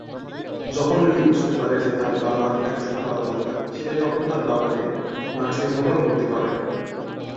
যখন লি বুঝতে পারে যে তারও তার বাবার দেখাশুনা করা দরকার, সে তখন তার বাবাকে নার্সিং হোমে ভর্তি করে।